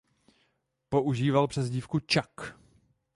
Používal přezdívku Chuck.